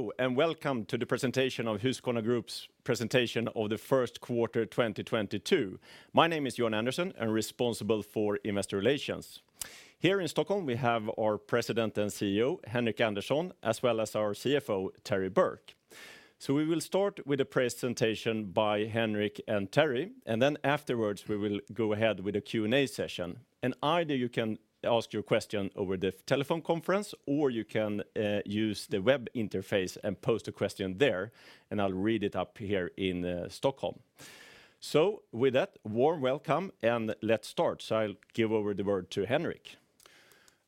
Hello, and welcome to the presentation of Husqvarna Group's presentation of the first quarter 2022. My name is Johan Andersson. I'm responsible for investor relations. Here in Stockholm, we have our President and CEO, Henric Andersson, as well as our CFO, Terry Burke. We will start with a presentation by Henric and Terry, and then afterwards we will go ahead with a Q&A session. Either you can ask your question over the telephone conference, or you can use the web interface and post a question there, and I'll read it up here in Stockholm. With that, warm welcome, and let's start. I'll give over the word to Henric.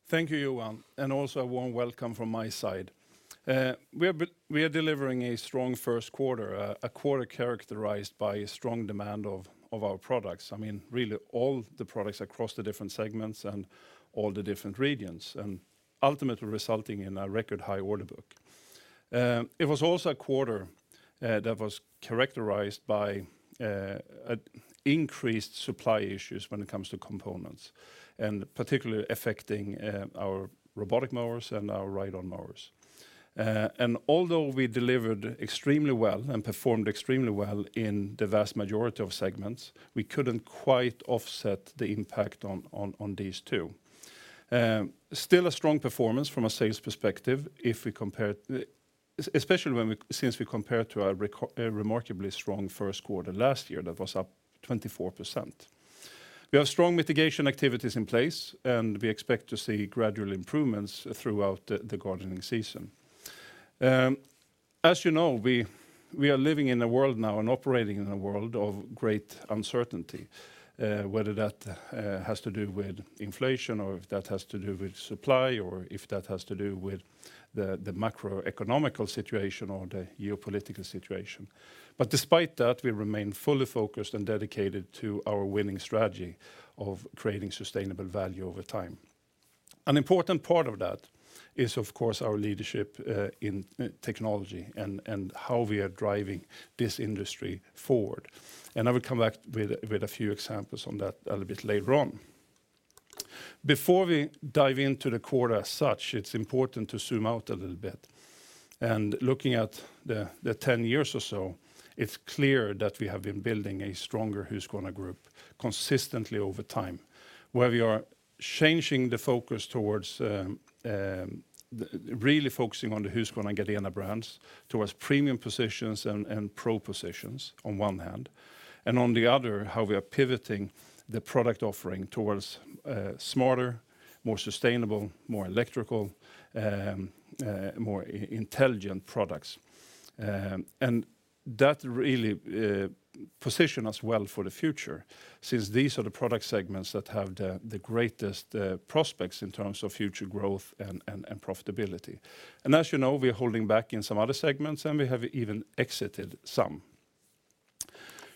Thank you, Johan, and also a warm welcome from my side. We are delivering a strong first quarter, a quarter characterized by strong demand of our products. I mean, really all the products across the different segments and all the different regions, and ultimately resulting in a record high order book. It was also a quarter that was characterized by an increased supply issues when it comes to components, and particularly affecting our robotic mowers and our ride-on mowers. Although we delivered extremely well and performed extremely well in the vast majority of segments, we couldn't quite offset the impact on these two. Still a strong performance from a sales perspective if we compare, especially since we compare to our remarkably strong first quarter last year, that was up 24%. We have strong mitigation activities in place, and we expect to see gradual improvements throughout the gardening season. As you know, we are living in a world now and operating in a world of great uncertainty, whether that has to do with inflation, or if that has to do with supply, or if that has to do with the macroeconomic situation or the geopolitical situation. Despite that, we remain fully focused and dedicated to our winning strategy of creating sustainable value over time. An important part of that is, of course, our leadership in technology and how we are driving this industry forward, and I will come back with a few examples on that a little bit later on. Before we dive into the quarter as such, it's important to zoom out a little bit. Looking at the ten years or so, it's clear that we have been building a stronger Husqvarna Group consistently over time, where we are changing the focus towards really focusing on the Husqvarna and Gardena brands towards premium positions and pro positions on one hand, and on the other, how we are pivoting the product offering towards smarter, more sustainable, more electrical, more intelligent products. That really positions us well for the future since these are the product segments that have the greatest prospects in terms of future growth and profitability. As you know, we're holding back in some other segments, and we have even exited some.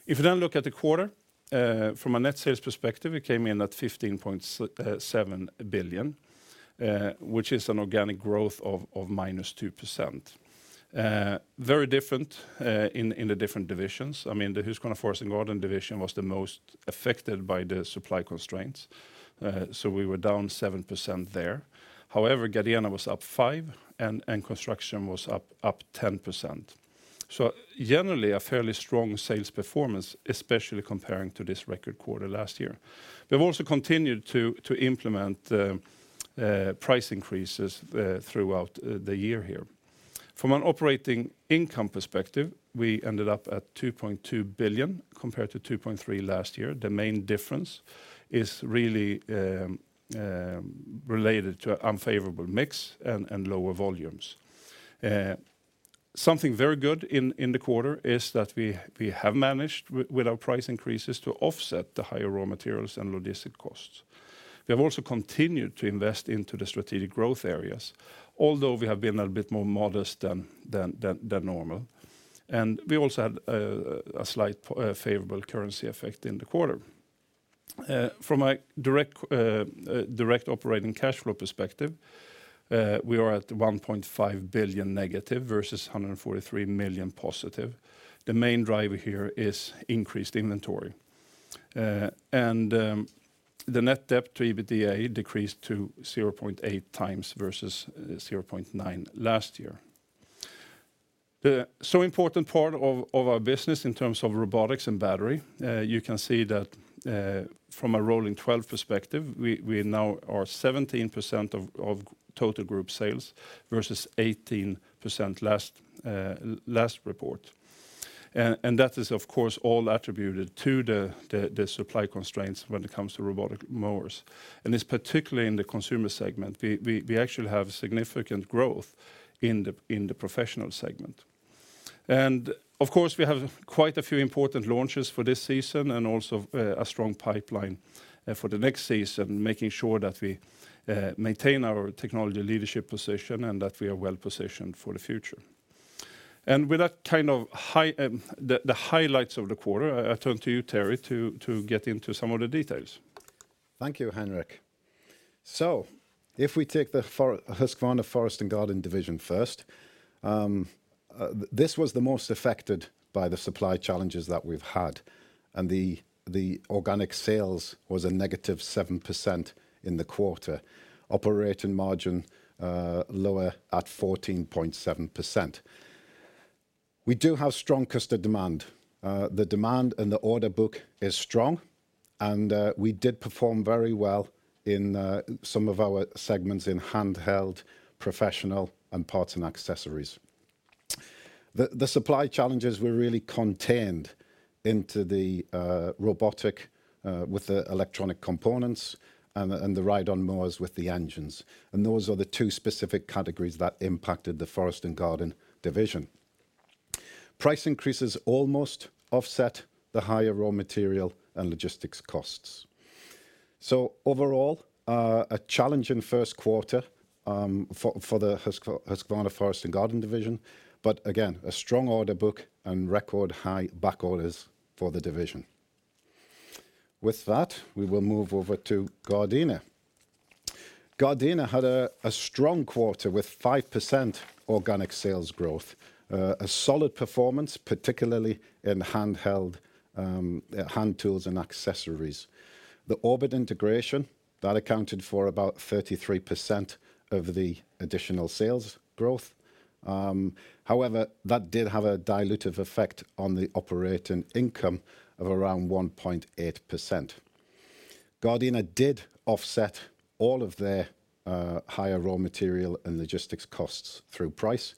If you then look at the quarter from a net sales perspective, we came in at 15.7 billion, which is an organic growth of -2%. Very different in the different divisions. I mean, the Husqvarna Forest & Garden division was the most affected by the supply constraints, so we were down 7% there. However, Gardena was up 5%, and Husqvarna Construction was up 10%. Generally, a fairly strong sales performance, especially comparing to this record quarter last year. We've also continued to implement price increases throughout the year here. From an operating income perspective, we ended up at 2.2 billion compared to 2.3 billion last year. The main difference is really related to unfavorable mix and lower volumes. Something very good in the quarter is that we have managed with our price increases to offset the higher raw materials and logistic costs. We have also continued to invest into the strategic growth areas, although we have been a bit more modest than normal, and we also had a slight favorable currency effect in the quarter. From a direct operating cash flow perspective, we are at -1.5 billion versus 143 million. The main driver here is increased inventory. The net debt to EBITDA decreased to 0.8x versus 0.9x last year. The most important part of our business in terms of robotics and battery, you can see that from a rolling 12 perspective, we now are 17% of total group sales versus 18% last report. That is, of course, all attributed to the supply constraints when it comes to robotic mowers. It's particularly in the consumer segment. We actually have significant growth in the professional segment. Of course, we have quite a few important launches for this season and also a strong pipeline for the next season, making sure that we maintain our technology leadership position and that we are well positioned for the future. With that kind of high, the highlights of the quarter, I turn to you, Terry, to get into some of the details. Thank you, Henric. If we take the Husqvarna Forest & Garden division first, This was the most affected by the supply challenges that we've had, and the organic sales was a negative 7% in the quarter. Operating margin lower at 14.7%. We do have strong customer demand. The demand and the order book is strong, and we did perform very well in some of our segments in handheld, professional, and parts and accessories. The supply challenges were really contained into the robotic with the electronic components and the ride-on mowers with the engines. Those are the two specific categories that impacted the Forest & Garden division. Price increases almost offset the higher raw material and logistics costs. Overall, a challenging first quarter for the Husqvarna Forest & Garden division, but again, a strong order book and record high back orders for the division. With that, we will move over to Gardena. Gardena had a strong quarter with 5% organic sales growth. A solid performance, particularly in handheld hand tools and accessories. The Orbit integration that accounted for about 33% of the additional sales growth. However, that did have a dilutive effect on the operating income of around 1.8%. Gardena did offset all of their higher raw material and logistics costs through price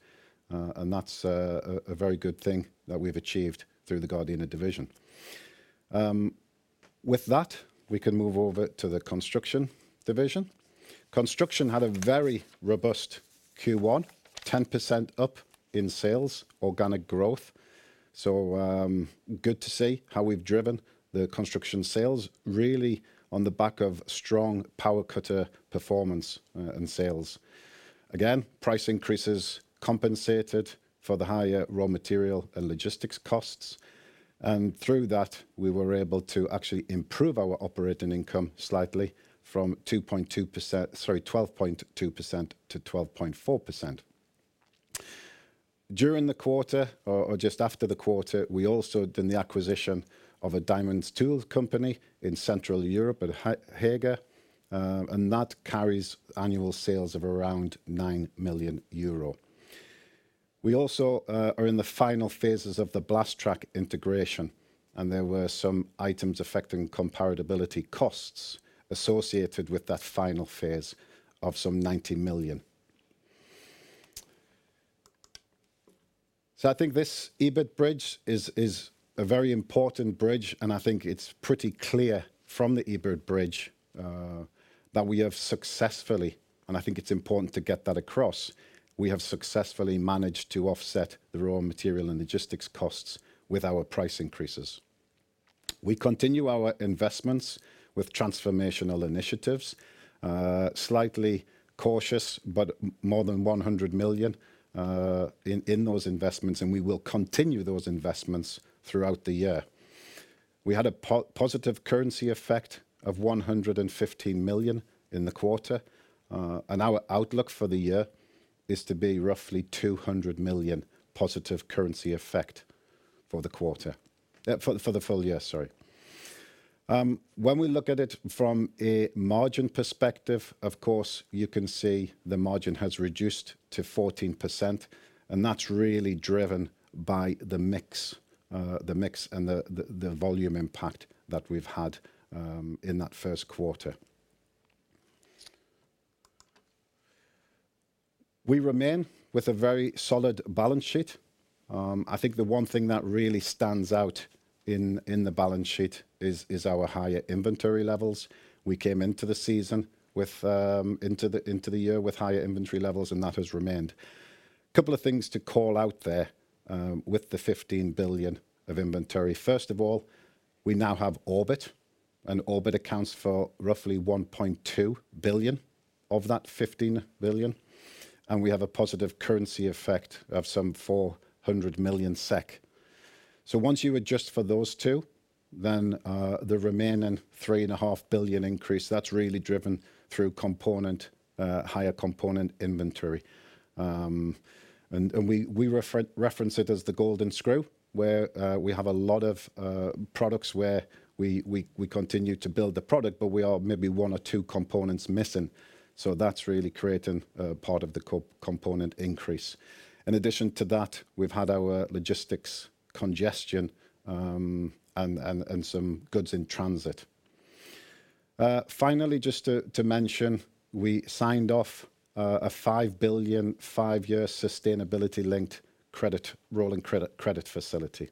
and that's a very good thing that we've achieved through the Gardena division. With that, we can move over to the Construction division. Construction had a very robust Q1, 10% up in sales, organic growth. Good to see how we've driven the construction sales really on the back of strong power cutter performance and sales. Again, price increases compensated for the higher raw material and logistics costs, and through that, we were able to actually improve our operating income slightly from 12.2% to 12.4%. During the quarter or just after the quarter, we also did the acquisition of a diamond tools company in Central Europe, Heger, and that carries annual sales of around 9 million euro. We also are in the final phases of the Blastrac integration, and there were some items affecting comparability costs associated with that final phase of 90 million. I think this EBIT bridge is a very important bridge, and I think it's pretty clear from the EBIT bridge that we have successfully, and I think it's important to get that across, we have successfully managed to offset the raw material and logistics costs with our price increases. We continue our investments with transformational initiatives, slightly cautious, but more than 100 million in those investments, and we will continue those investments throughout the year. We had a positive currency effect of 115 million in the quarter, and our outlook for the year is to be roughly 200 million positive currency effect for the full year, sorry. When we look at it from a margin perspective, of course, you can see the margin has reduced to 14%, and that's really driven by the mix and the volume impact that we've had in that first quarter. We remain with a very solid balance sheet. I think the one thing that really stands out in the balance sheet is our higher inventory levels. We came into the year with higher inventory levels, and that has remained. Couple of things to call out there with the 15 billion of inventory. First of all, we now have Orbit, and Orbit accounts for roughly 1.2 billion of that 15 billion, and we have a positive currency effect of some 400 million SEK. Once you adjust for those two, the remaining 3.5 billion increase, that's really driven through component higher component inventory. We reference it as the golden screw, where we have a lot of products where we continue to build the product, but we are maybe one or two components missing. That's really creating a part of the component increase. In addition to that, we've had our logistics congestion and some goods in transit. Finally, just to mention, we signed off a 5 billion five-year sustainability linked credit rolling credit facility,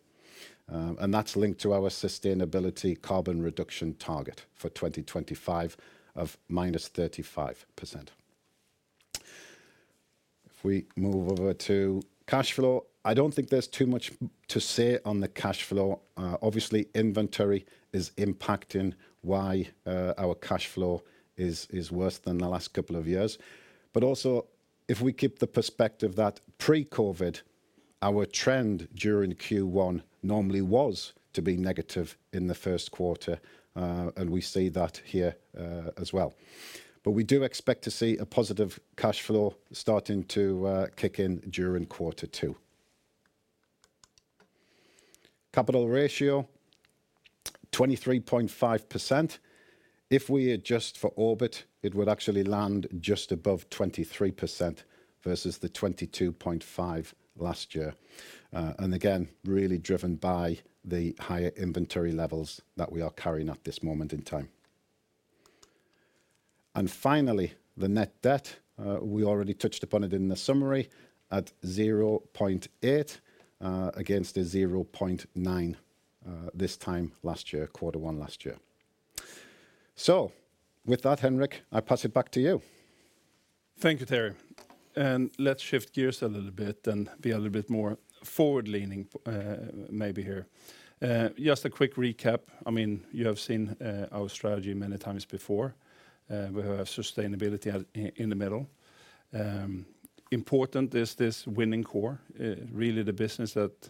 and that's linked to our sustainability carbon reduction target for 2025 of -35%. If we move over to cash flow, I don't think there's too much to say on the cash flow. Obviously inventory is impacting why our cash flow is worse than the last couple of years. Also if we keep the perspective that pre-COVID, our trend during Q1 normally was to be negative in the first quarter, and we see that here as well. We do expect to see a positive cash flow starting to kick in during quarter two. Capital ratio, 23.5%. If we adjust for Orbit, it would actually land just above 23% versus the 22.5% last year. Again, really driven by the higher inventory levels that we are carrying at this moment in time. Finally, the net debt, we already touched upon it in the summary at 0.8 against a 0.9 this time last year, quarter one last year. With that, Henric, I pass it back to you. Thank you, Terry. Let's shift gears a little bit and be a little bit more forward-leaning, maybe here. Just a quick recap. I mean, you have seen our strategy many times before, where we have sustainability at, in the middle. Important is this winning core, really the business that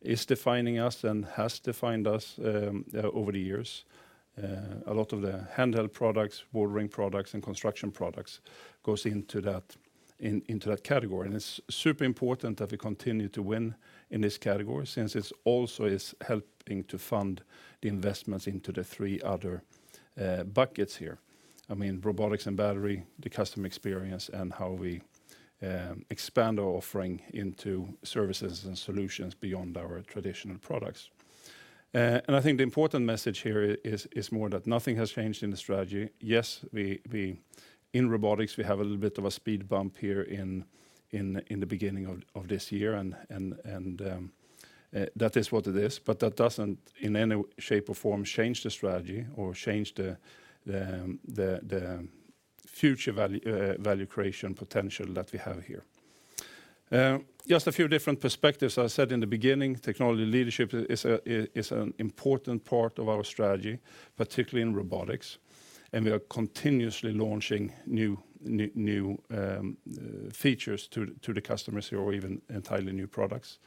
is defining us and has defined us, over the years. A lot of the handheld products, watering products, and construction products goes into that, into that category. It's super important that we continue to win in this category since it's also helping to fund the investments into the three other buckets here. I mean, robotics and battery, the customer experience and how we expand our offering into services and solutions beyond our traditional products. I think the important message here is more that nothing has changed in the strategy. Yes, we have a little bit of a speed bump here in the beginning of this year and that is what it is. But that doesn't in any way shape or form change the strategy or change the future value creation potential that we have here. Just a few different perspectives. As I said in the beginning, technology leadership is an important part of our strategy, particularly in robotics, and we are continuously launching new features to the customers, or even entirely new products.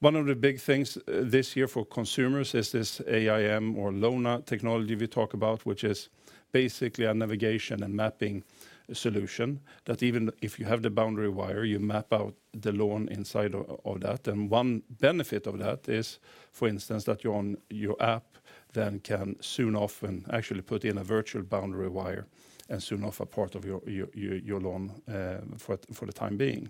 One of the big things this year for consumers is this AIM or LONA technology we talk about, which is basically a navigation and mapping solution that even if you have the boundary wire, you map out the lawn inside of that. One benefit of that is, for instance, that you're on your app, then you can soon often actually put in a virtual boundary wire and zone off a part of your lawn for the time being.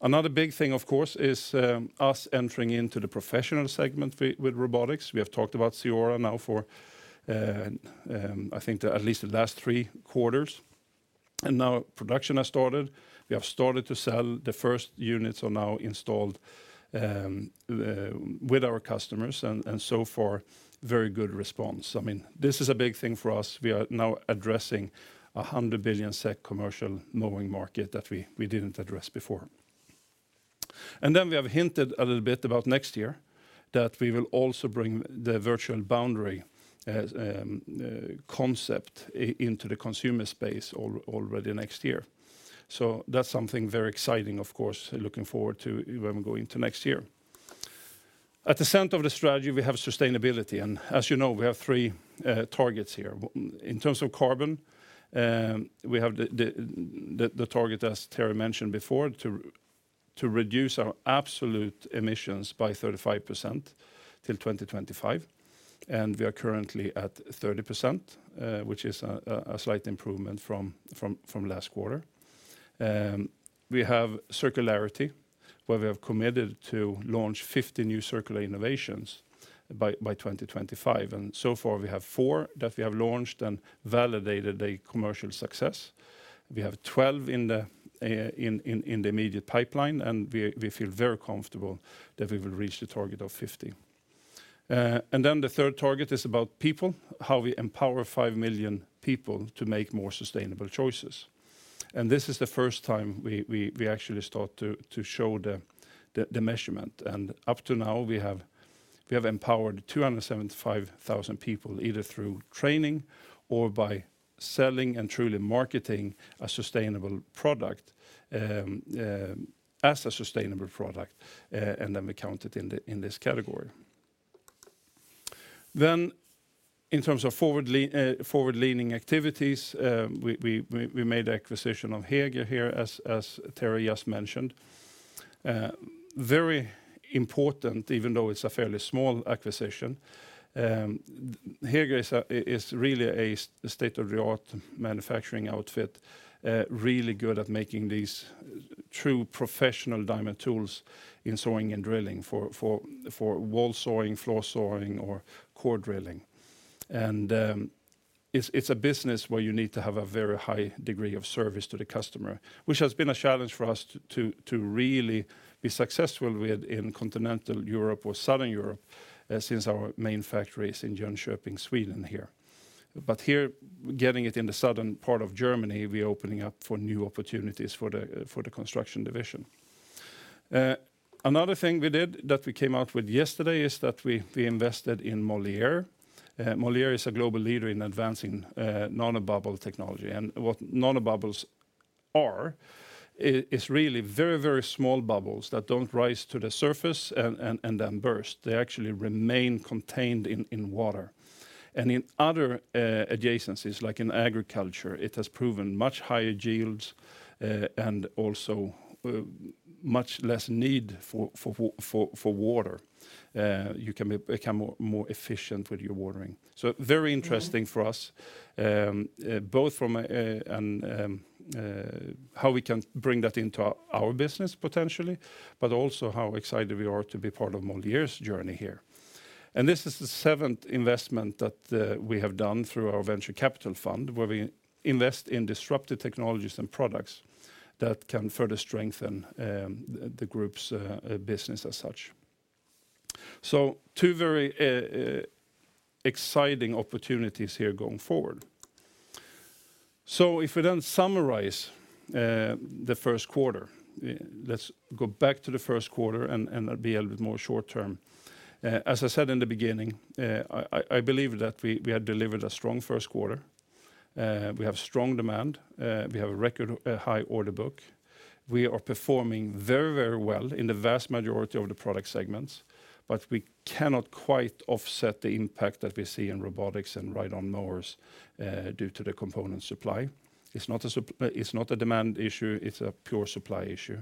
Another big thing, of course, is us entering into the professional segment with robotics. We have talked about CEORA now for I think at least the last three quarters, and now production has started. We have started to sell. The first units are now installed with our customers and so far, very good response. I mean, this is a big thing for us. We are now addressing 100 billion SEK commercial mowing market that we didn't address before. Then we have hinted a little bit about next year that we will also bring the virtual boundary as concept into the consumer space already next year. That's something very exciting, of course, looking forward to when we go into next year. At the center of the strategy, we have sustainability, and as you know, we have three targets here. In terms of carbon, we have the target, as Terry mentioned before, to reduce our absolute emissions by 35% till 2025, and we are currently at 30%, which is a slight improvement from last quarter. We have circularity, where we have committed to launch 50 new circular innovations by 2025, and so far, we have four that we have launched and validated a commercial success. We have 12 in the immediate pipeline, and we feel very comfortable that we will reach the target of 50. Then the third target is about people, how we empower 5 million people to make more sustainable choices. This is the first time we actually start to show the measurement. Up to now, we have empowered 275,000 people, either through training or by selling and truly marketing a sustainable product as a sustainable product, and then we count it in this category. In terms of forward-leaning activities, we made the acquisition of Heger here as Terry just mentioned. Very important, even though it's a fairly small acquisition. Heger is really a state-of-the-art manufacturing outfit, really good at making these true professional diamond tools in sawing and drilling for wall sawing, floor sawing, or core drilling. It's a business where you need to have a very high degree of service to the customer, which has been a challenge for us to really be successful with in continental Europe or Southern Europe, since our main factory is in Jönköping, Sweden. Getting it in the southern part of Germany, we're opening up for new opportunities for the construction division. Another thing we did that we came out with yesterday is that we invested in Moleaer. Moleaer is a global leader in advancing nanobubble technology, and what nanobubbles are is really very, very small bubbles that don't rise to the surface and then burst. They actually remain contained in water. In other adjacencies, like in agriculture, it has proven much higher yields, and also much less need for water. You can become more efficient with your watering. Very interesting. For us, both from a, an, how we can bring that into our business potentially, but also how excited we are to be part of Moleaer's journey here. This is the seventh investment that we have done through our venture capital fund, where we invest in disruptive technologies and products that can further strengthen the group's business as such. Two very exciting opportunities here going forward. If we then summarize the first quarter, let's go back to the first quarter and be a little bit more short-term. As I said in the beginning, I believe that we had delivered a strong first quarter. We have strong demand. We have a record high order book. We are performing very, very well in the vast majority of the product segments, but we cannot quite offset the impact that we see in robotics and ride-on mowers due to the component supply. It's not a demand issue, it's a pure supply issue.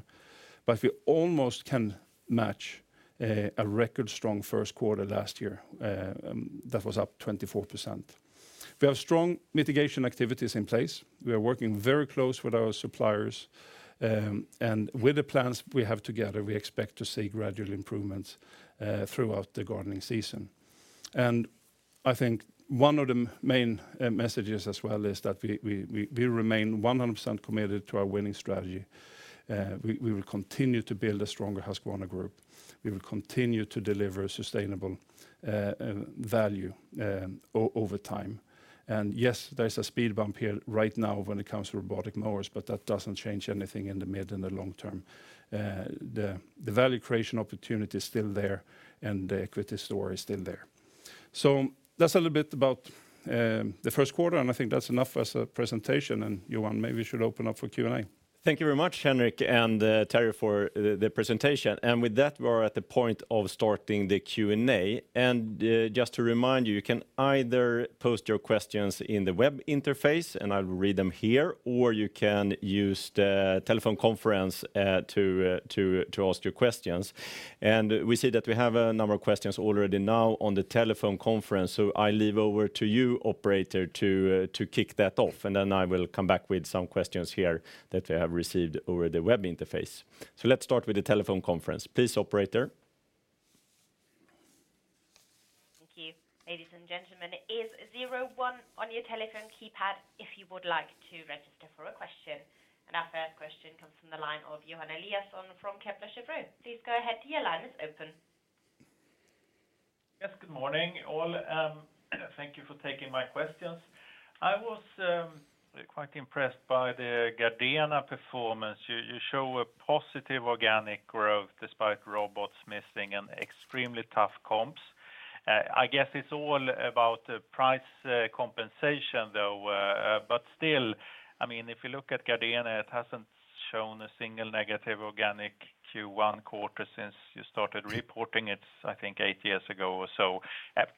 But we almost can match a record strong first quarter last year that was up 24%. We have strong mitigation activities in place. We are working very close with our suppliers and with the plans we have together, we expect to see gradual improvements throughout the gardening season. I think one of the main messages as well is that we remain 100% committed to our winning strategy. We will continue to build a stronger Husqvarna Group. We will continue to deliver sustainable value over time. Yes, there's a speed bump here right now when it comes to robotic mowers, but that doesn't change anything in the mid and the long term. The value creation opportunity is still there, and the equity story is still there. That's a little bit about the first quarter, and I think that's enough as a presentation. Johan, maybe we should open up for Q&A. Thank you very much, Henric and Terry, for the presentation. With that, we are at the point of starting the Q&A. Just to remind you can either post your questions in the web interface, and I'll read them here, or you can use the telephone conference to ask your questions. We see that we have a number of questions already now on the telephone conference. I leave over to you, operator, to kick that off, and then I will come back with some questions here that I have received over the web interface. Let's start with the telephone conference. Please, operator. Thank you. Ladies and gentlemen, it is star one on your telephone keypad if you would like to register for a question. Our first question comes from the line of Johan Eliason from Kepler Cheuvreux. Please go ahead. Your line is open. Yes. Good morning, all. Thank you for taking my questions. I was quite impressed by the Gardena performance. You show a positive organic growth despite robots missing and extremely tough comps. I guess it's all about the price compensation though. Still, I mean, if you look at Gardena, it hasn't shown a single negative organic Q1 quarter since you started reporting it, I think, eight years ago or so.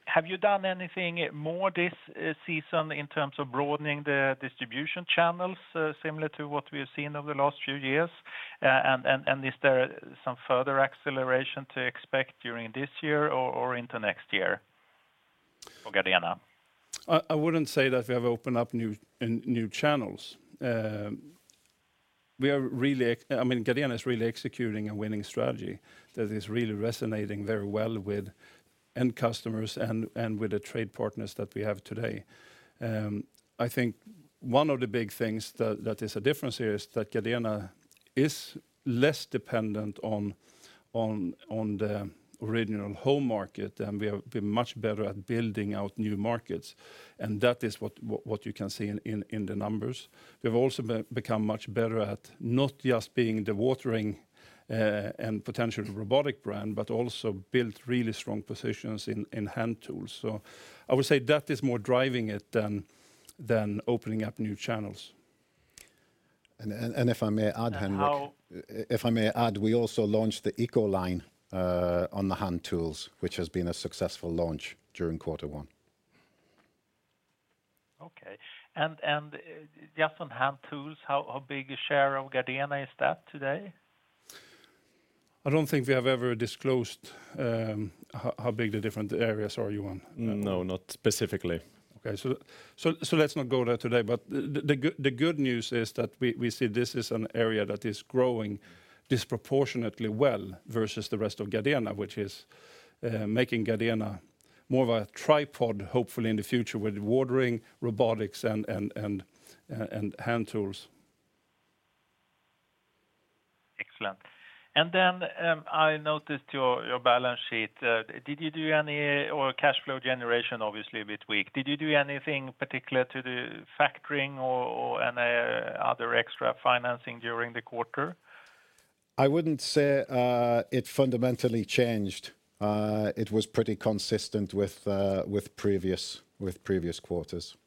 Have you done anything more this season in terms of broadening the distribution channels, similar to what we've seen over the last few years? Is there some further acceleration to expect during this year or into next year for Gardena? I wouldn't say that we have opened up new channels. We are really ex- I mean, Gardena is really executing a winning strategy that is really resonating very well with end customers and with the trade partners that we have today. I think one of the big things that is a difference here is that Gardena is less dependent on the original home market, and we're much better at building out new markets, and that is what you can see in the numbers. We've also become much better at not just being the watering and potential robotic brand, but also built really strong positions in hand tools. I would say that is more driving it than opening up new channels. If I may add, Henric- How- If I may add, we also launched the EcoLine on the hand tools, which has been a successful launch during quarter one. Okay. Just on hand tools, how big a share of Gardena is that today? I don't think we have ever disclosed how big the different areas are, Johan. No, not specifically. Okay. Let's not go there today. The good news is that we see this is an area that is growing disproportionately well versus the rest of Gardena, which is making Gardena more of a tripod, hopefully, in the future with watering, robotics, and hand tools. Excellent. I noticed your balance sheet or cash flow generation, obviously a bit weak. Did you do anything particular to the factoring or any other extra financing during the quarter? I wouldn't say it fundamentally changed. It was pretty consistent with previous quarters.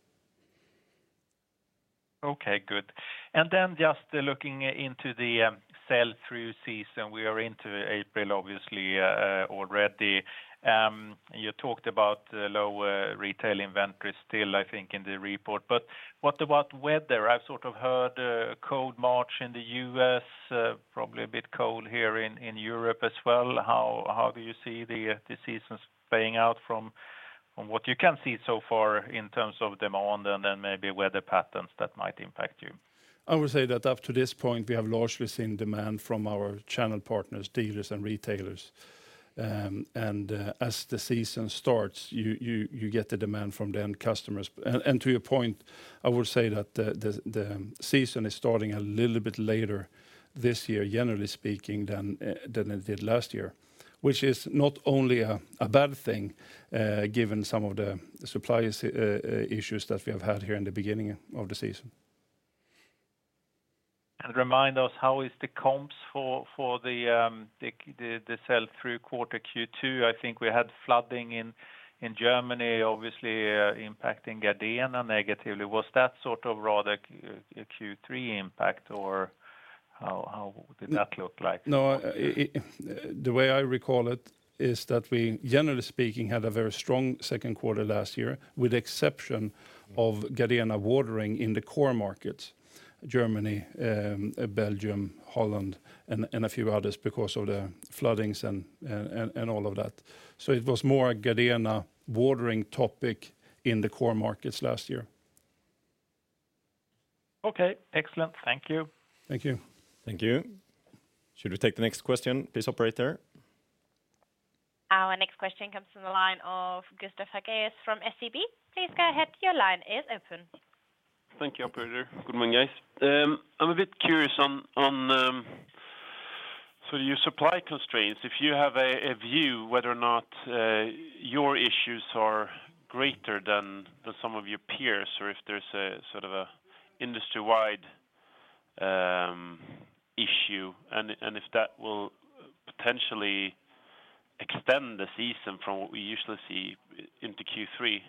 Okay, good. Just looking into the sell-through season, we are into April obviously already. You talked about lower retail inventory still, I think, in the report, but what about weather? I've sort of heard a cold March in the U.S., probably a bit cold here in Europe as well. How do you see the season playing out from what you can see so far in terms of demand and then maybe weather patterns that might impact you? I would say that up to this point, we have largely seen demand from our channel partners, dealers, and retailers. As the season starts, you get the demand from the end customers. To your point, I would say that the season is starting a little bit later this year, generally speaking, than it did last year, which is not only a bad thing, given some of the supply issues that we have had here in the beginning of the season. Remind us how is the comps for the sell-through quarter Q2? I think we had flooding in Germany, obviously, impacting Gardena negatively. Was that sort of rather a Q3 impact or how did that look like? No, the way I recall it is that we generally speaking had a very strong second quarter last year with the exception of Gardena watering in the core markets, Germany, Belgium, Holland, and all of that. It was more a Gardena watering topic in the core markets last year. Okay, excellent. Thank you. Thank you. Thank you. Should we take the next question, please operator? Our next question comes from the line of Gustav Hagéus from SEB. Please go ahead. Your line is open. Thank you, operator. Good morning, guys. I'm a bit curious on your supply constraints, if you have a view whether or not your issues are greater than the sum of your peers, or if there's a sort of industry-wide issue and if that will potentially extend the season from what we usually see into Q3,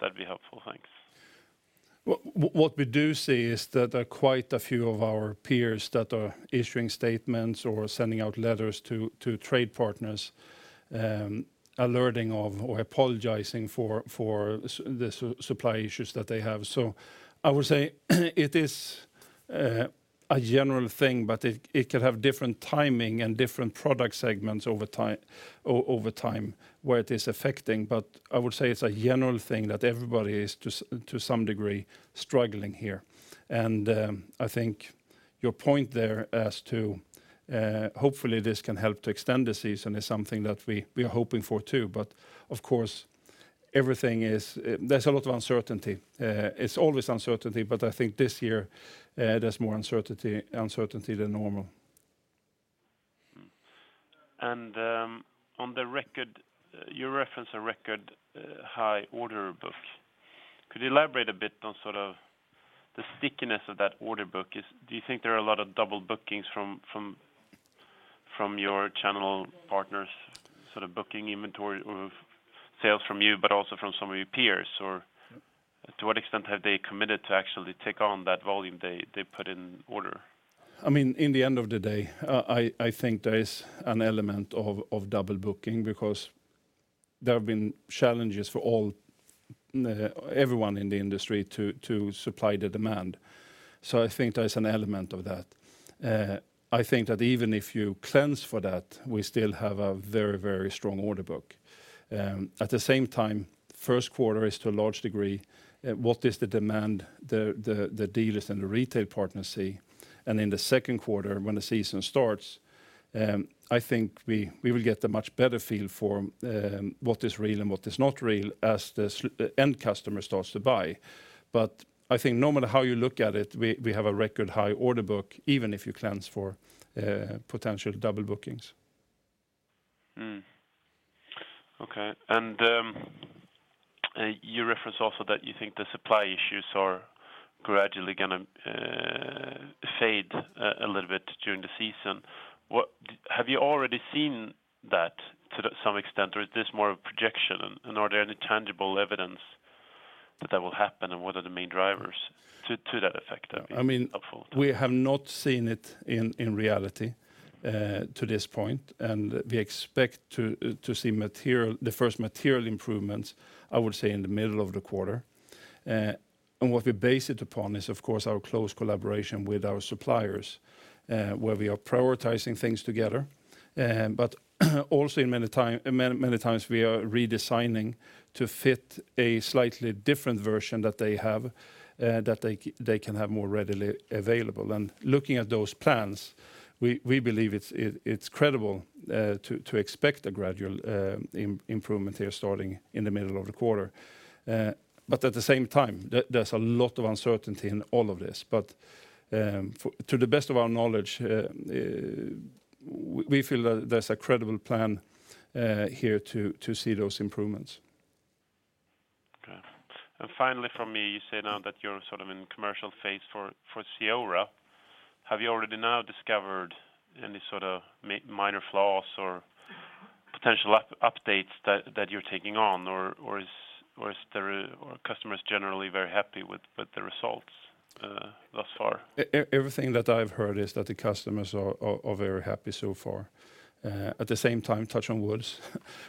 that'd be helpful. Thanks. What we do see is that there are quite a few of our peers that are issuing statements or sending out letters to trade partners, alerting of or apologizing for the supply issues that they have. I would say it is a general thing, but it could have different timing and different product segments over time where it is affecting. I would say it's a general thing that everybody is to some degree struggling here. I think your point there as to hopefully this can help to extend the season is something that we are hoping for too. Of course, everything is. There's a lot of uncertainty. It's always uncertainty, but I think this year, there's more uncertainty than normal. On the record, you reference a record high order book. Could you elaborate a bit on sort of the stickiness of that order book? Do you think there are a lot of double bookings from your channel partners, sort of booking inventory of sales from you, but also from some of your peers? Or to what extent have they committed to actually take on that volume they put in order? I mean, in the end of the day, I think there is an element of double booking because there have been challenges for all everyone in the industry to supply the demand. I think there's an element of that. I think that even if you cleanse for that, we still have a very, very strong order book. At the same time, first quarter is to a large degree what is the demand the dealers and the retail partners see. In the second quarter, when the season starts, I think we will get a much better feel for what is real and what is not real as the end customer starts to buy. I think no matter how you look at it, we have a record high order book, even if you cleanse for potential double bookings. You referenced also that you think the supply issues are gradually gonna fade a little bit during the season. Have you already seen that to some extent, or is this more of a projection? Are there any tangible evidence that that will happen, and what are the main drivers to that effect? That'd be helpful. I mean, we have not seen it in reality to this point. We expect to see the first material improvements, I would say, in the middle of the quarter. What we base it upon is, of course, our close collaboration with our suppliers, where we are prioritizing things together. Also in many times we are redesigning to fit a slightly different version that they have, that they can have more readily available. Looking at those plans, we believe it's credible to expect a gradual improvement here starting in the middle of the quarter. At the same time, there's a lot of uncertainty in all of this. To the best of our knowledge, we feel that there's a credible plan here to see those improvements. Okay. Finally from me, you say now that you're sort of in commercial phase for CEORA. Have you already now discovered any sort of minor flaws or potential updates that you're taking on, or is there? Are customers generally very happy with the results thus far? Everything that I've heard is that the customers are very happy so far. At the same time, touch wood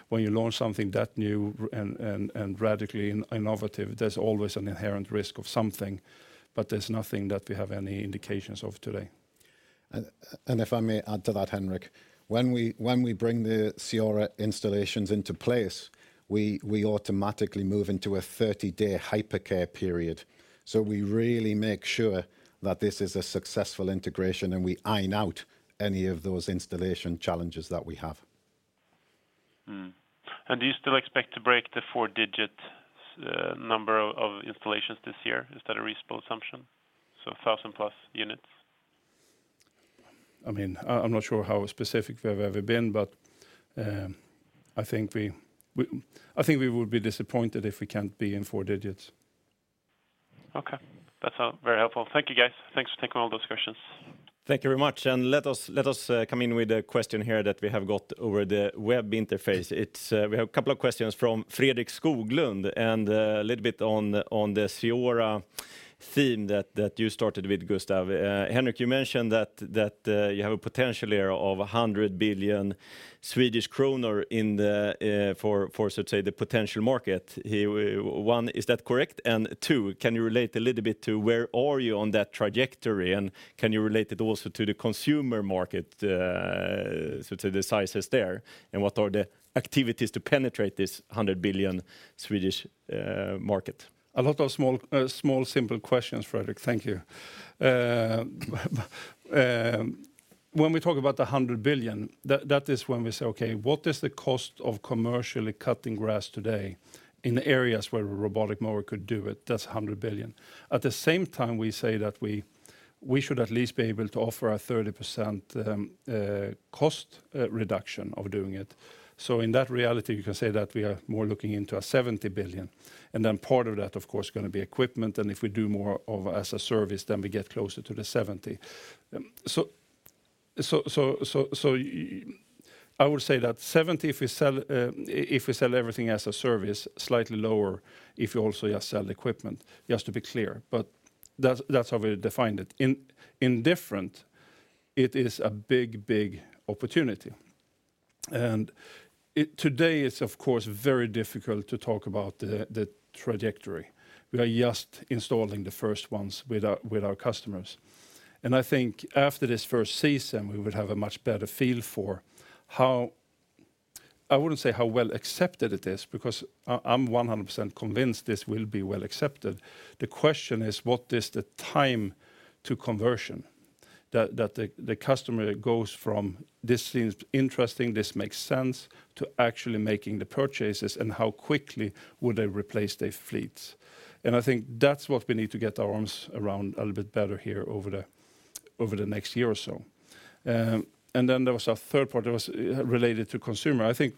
when you launch something that new and radically innovative, there's always an inherent risk of something, but there's nothing that we have any indications of today. If I may add to that, Henric, when we bring the CEORA installations into place, we automatically move into a 30-day hypercare period. So we really make sure that this is a successful integration, and we iron out any of those installation challenges that we have. Do you still expect to break the four-digit number of installations this year? Is that a reasonable assumption? 1,000 plus units. I mean, I'm not sure how specific we've ever been, but I think we would be disappointed if we can't be in four digits. Okay. That's all very helpful. Thank you, guys. Thanks for taking all those questions. Thank you very much. Let us come in with a question here that we have got over the web interface. We have a couple of questions from Fredrik Skoglund, and a little bit on the CEORA theme that you started with, Gustav. Henric, you mentioned that you have a potential here of 100 billion Swedish kronor in the so to say potential market. One, is that correct? And two, can you relate a little bit to where are you on that trajectory? And can you relate it also to the consumer market, so to the sizes there? And what are the activities to penetrate this 100 billion market? A lot of small, simple questions, Fredrik. Thank you. When we talk about the 100 billion, that is when we say, okay, what is the cost of commercially cutting grass today in the areas where a robotic mower could do it? That's 100 billion. At the same time, we say that we should at least be able to offer a 30% cost reduction of doing it. In that reality, you can say that we are more looking into a 70 billion. Part of that, of course, is gonna be equipment. If we do more of as-a-service, then we get closer to the SEK 70 billion. I would say that 70 billion if we sell everything as a service, slightly lower, if you also just sell the equipment, just to be clear. But that's how we define it. In different, it is a big opportunity. Today it's of course very difficult to talk about the trajectory. We are just installing the first ones with our customers. I think after this first season, we would have a much better feel for how I wouldn't say how well accepted it is because I'm 100% convinced this will be well accepted. The question is, what is the time to conversion? The customer goes from, "This seems interesting, this makes sense," to actually making the purchases, and how quickly would they replace their fleets? I think that's what we need to get our arms around a little bit better here over the next year or so. There was a third part that was related to consumer. I think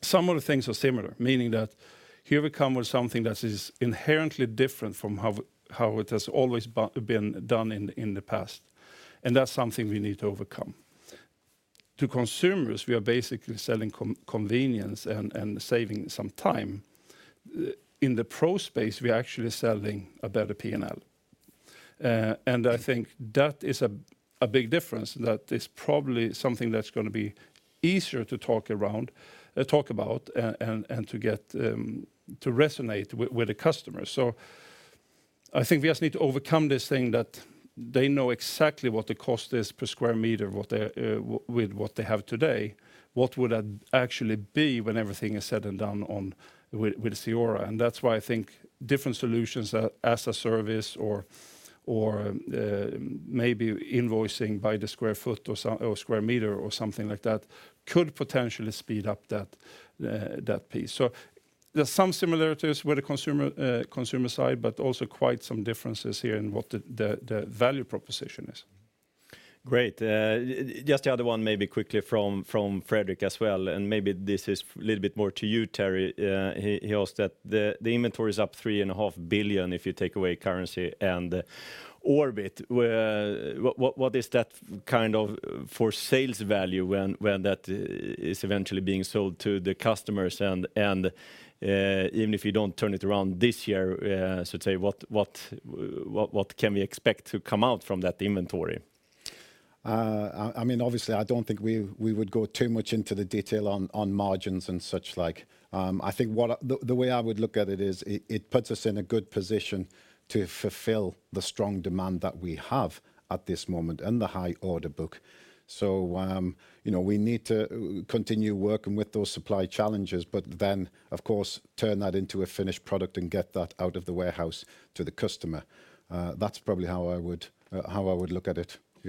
some of the things are similar, meaning that here we come with something that is inherently different from how it has always been done in the past, and that's something we need to overcome. To consumers, we are basically selling convenience and saving some time. In the pro space, we are actually selling a better P&L. I think that is a big difference that is probably something that's gonna be easier to talk about and to get to resonate with the customers. I think we just need to overcome this thing that they know exactly what the cost is per sq m, what they with what they have today. What would that actually be when everything is said and done with CEORA? That's why I think different solutions, as-a-service or maybe invoicing by the sq ft or sq m or something like that, could potentially speed up that piece. There's some similarities with the consumer side, but also quite some differences here in what the value proposition is. Great. Just the other one, maybe quickly from Fredrik as well, and maybe this is little bit more to you, Terry. He asked that the inventory is up 3.5 billion if you take away currency and Orbit. What is that kind of for sales value when that is eventually being sold to the customers? So to say, what can we expect to come out from that inventory? I mean, obviously, I don't think we would go too much into the detail on margins and such like. I think the way I would look at it is it puts us in a good position to fulfill the strong demand that we have at this moment and the high order book. You know, we need to continue working with those supply challenges, but then of course, turn that into a finished product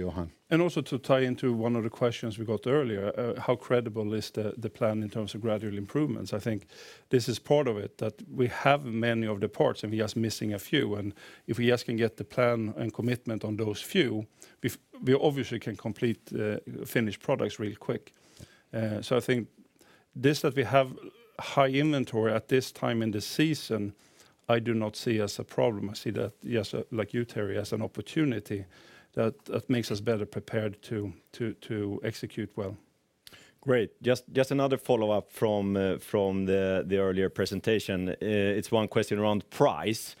and get that out of the warehouse to the customer. That's probably how I would look at it, Johan. Also to tie into one of the questions we got earlier, how credible is the plan in terms of gradual improvements? I think this is part of it, that we have many of the parts and we are just missing a few. If we just can get the plan and commitment on those few, we obviously can complete the finished products really quick. I think this, that we have high inventory at this time in the season, I do not see as a problem. I see that, yes, like you, Terry, as an opportunity that makes us better prepared to execute well. Great. Just another follow-up from the earlier presentation. It's one question around price.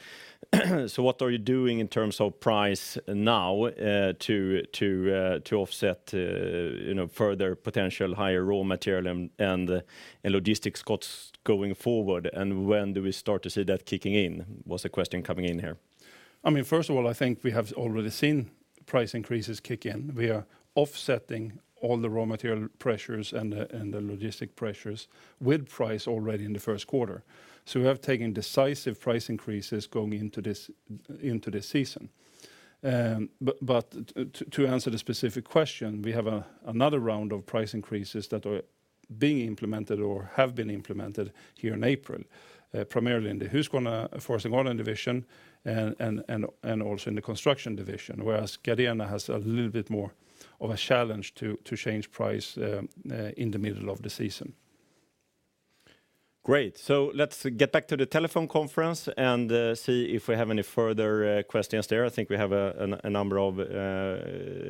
What are you doing in terms of price now to offset you know further potential higher raw material and logistics costs going forward? When do we start to see that kicking in was a question coming in here. I mean, first of all, I think we have already seen price increases kick in. We are offsetting all the raw material pressures and the logistic pressures with price already in the first quarter. We have taken decisive price increases going into this season. But to answer the specific question, we have another round of price increases that are being implemented or have been implemented here in April, primarily in the Husqvarna Forest & Garden division and also in the construction division, whereas Gardena has a little bit more of a challenge to change price in the middle of the season. Great. Let's get back to the telephone conference and, see if we have any further, questions there. I think we have a number of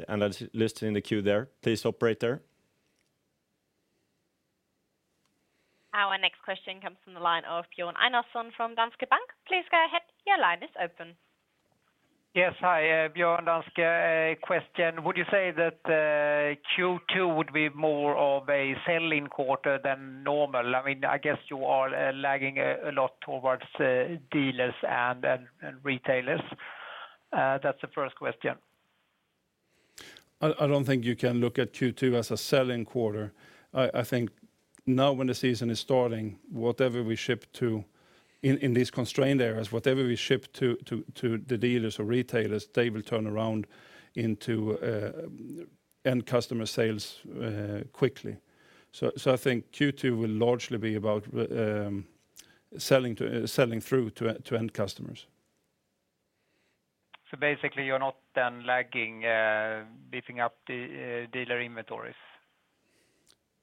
analysts listening in the queue there. Please, operator. Our next question comes from the line of Björn Enarson from Danske Bank. Please go ahead. Your line is open. Yes. Hi, Björn, Danske. A question, would you say that Q2 would be more of a sell in quarter than normal? I mean, I guess you are lagging a lot towards dealers and retailers. That's the first question. I don't think you can look at Q2 as a sell in quarter. I think now when the season is starting, whatever we ship to the dealers or retailers, they will turn around into end customer sales quickly. I think Q2 will largely be about selling through to end customers. Basically, you're not then lagging, beefing up the dealer inventories.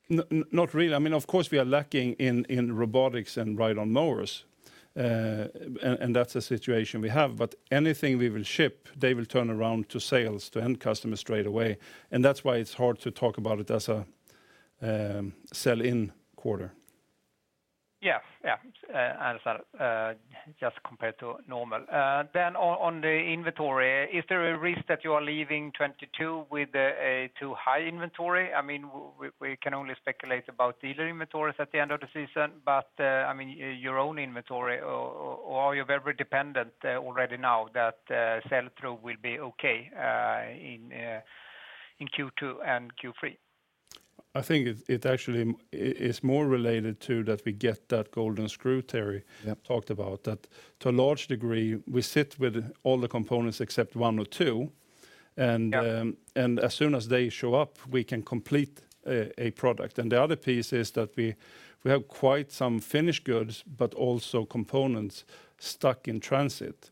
Not really. I mean, of course we are lacking in robotics and ride-on mowers. That's the situation we have. Anything we will ship, they will turn around to sales, to end customers straight away. That's why it's hard to talk about it as a sell in quarter. I understand just compared to normal. Then on the inventory, is there a risk that you are leaving 2022 with a too high inventory? I mean, we can only speculate about dealer inventories at the end of the season, but I mean your own inventory or are you very dependent already now that sell through will be okay in Q2 and Q3? I think it actually is more related to that we get that golden screw Terry. Yeah. talked about. That, to a large degree, we sit with all the components except one or two. Yeah. As soon as they show up, we can complete a product. The other piece is that we have quite some finished goods, but also components stuck in transit,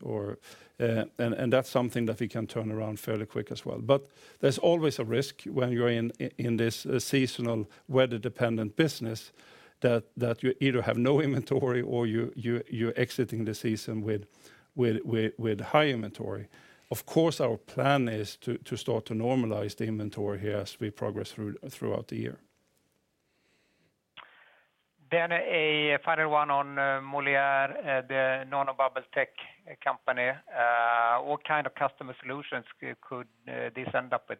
and that's something that we can turn around fairly quick as well. There's always a risk when you're in this seasonal weather dependent business that you either have no inventory or you're exiting the season with high inventory. Of course, our plan is to start to normalize the inventory here as we progress throughout the year. A final one on Moleaer, the nanobubble tech company. What kind of customer solutions could this end up with?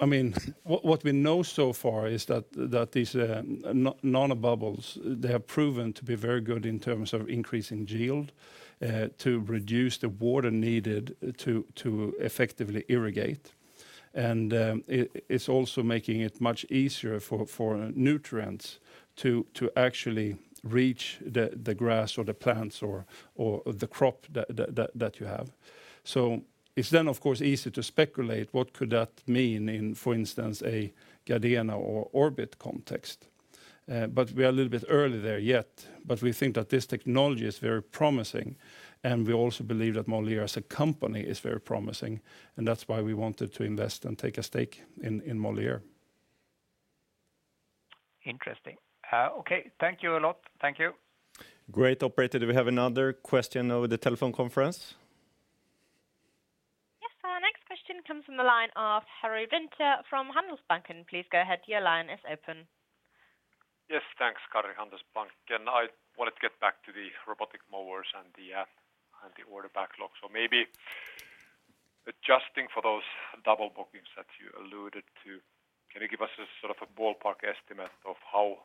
I mean, what we know so far is that these nanobubbles, they have proven to be very good in terms of increasing yield, to reduce the water needed to effectively irrigate. It's also making it much easier for nutrients to actually reach the grass or the plants or the crop that you have. It's then of course easy to speculate what could that mean in, for instance, a Gardena or Orbit context. We are a little bit early there yet. We think that this technology is very promising, and we also believe that Moleaer as a company is very promising, and that's why we wanted to invest and take a stake in Moleaer. Interesting. Okay. Thank you a lot. Thank you. Great. Operator, do we have another question over the telephone conference? Yes. Our next question comes from the line of Karri Rinta from Handelsbanken. Please go ahead. Your line is open. Yes, thanks. Karri Rinta, Handelsbanken. I wanted to get back to the robotic mowers and the order backlog. Maybe adjusting for those double bookings that you alluded to, can you give us a sort of a ballpark estimate of how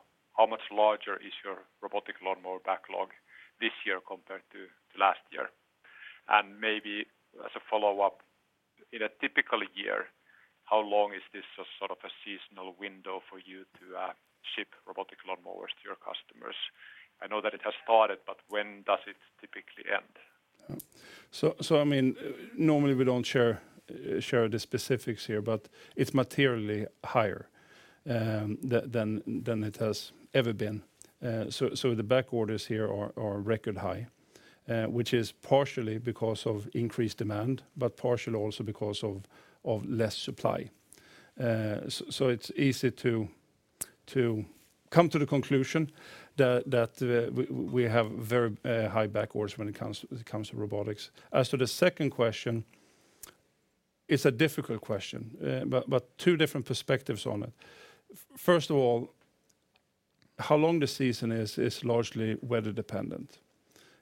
much larger is your robotic lawnmower backlog this year compared to last year? And maybe as a follow-up, in a typical year, how long is this a sort of a seasonal window for you to ship robotic lawnmowers to your customers? I know that it has started, but when does it typically end? I mean, normally we don't share the specifics here, but it's materially higher than it has ever been. The back orders here are record high. Which is partially because of increased demand, but partially also because of less supply. It's easy to come to the conclusion that we have very high backorders when it comes to robotics. As to the second question, it's a difficult question. Two different perspectives on it. First of all, how long the season is is largely weather dependent,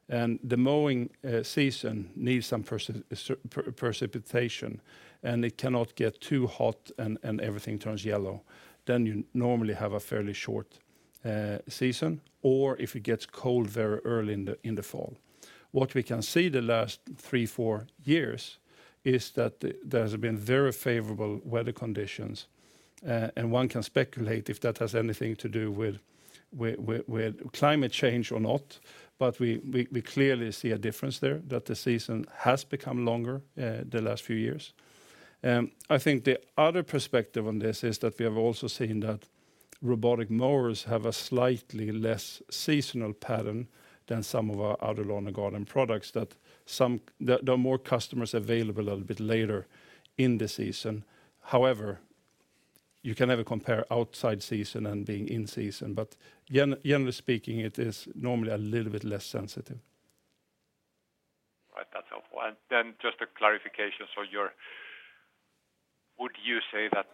and the mowing season needs some precipitation, and it cannot get too hot and everything turns yellow. You normally have a fairly short season, or if it gets cold very early in the fall. What we can see the last three, four years is that there's been very favorable weather conditions, and one can speculate if that has anything to do with climate change or not. We clearly see a difference there that the season has become longer, the last few years. I think the other perspective on this is that we have also seen that robotic mowers have a slightly less seasonal pattern than some of our other lawn and garden products. There are more customers available a little bit later in the season. However, you can never compare outside season and being in season, but generally speaking, it is normally a little bit less sensitive. Right. That's helpful. Just a clarification. Would you say that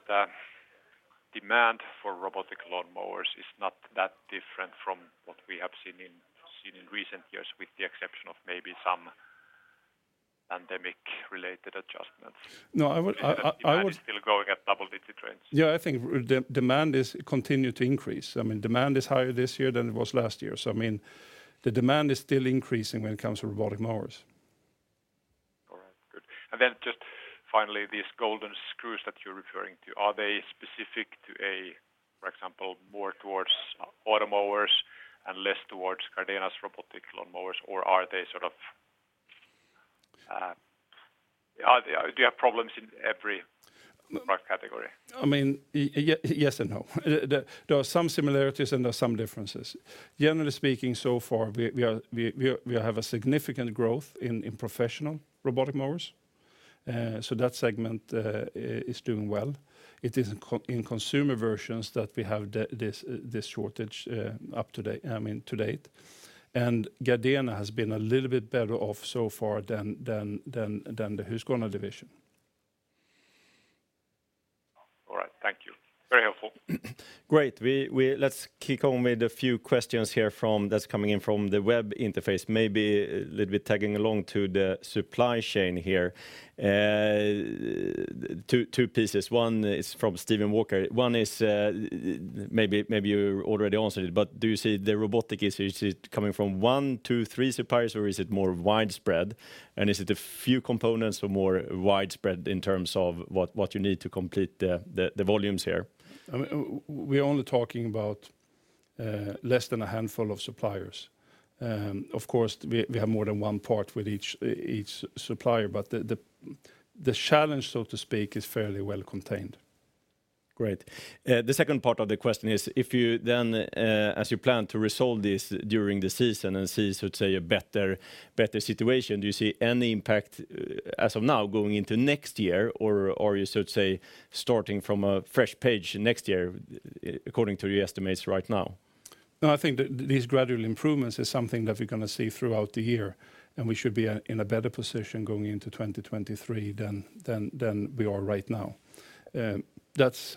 demand for robotic lawnmowers is not that different from what we have seen in recent years, with the exception of maybe some pandemic-related adjustments? No. I would. Demand is still growing at double-digit rates. Yeah, I think the demand is continuing to increase. I mean, demand is higher this year than it was last year. I mean, the demand is still increasing when it comes to robotic mowers. All right. Good. Just finally, these golden screws that you're referring to, are they specific to a, for example, more towards Automowers and less towards Gardena's robotic lawnmowers? Or do you have problems in every product category? I mean, yes and no. There are some similarities, and there are some differences. Generally speaking, so far, we have a significant growth in professional robotic mowers. So that segment is doing well. It is in consumer versions that we have this shortage to date. Gardena has been a little bit better off so far than the Husqvarna division. All right. Thank you. Very helpful. Great. Let's kick off with a few questions here that's coming in from the web interface. Maybe a little bit tagging along to the supply chain here. Two pieces. One is from Steven Walker. One is, maybe you already answered it, but do you see the robotic is it coming from one, two, three suppliers, or is it more widespread? And is it a few components or more widespread in terms of what you need to complete the volumes here? I mean, we're only talking about less than a handful of suppliers. Of course, we have more than one part with each supplier, but the challenge, so to speak, is fairly well contained. Great. The second part of the question is if you then, as you plan to resolve this during the season and see sort of say a better situation, do you see any impact as of now going into next year? Or you should say, starting from a fresh page next year according to your estimates right now? No, I think these gradual improvements is something that we're gonna see throughout the year, and we should be in a better position going into 2023 than we are right now. That's